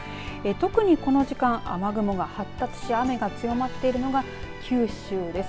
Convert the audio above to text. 特にこの時間、雨雲が発達し雨が強まっているのが九州です。